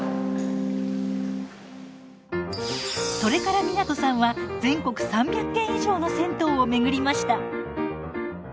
それから湊さんは全国３００軒以上の銭湯を巡りました。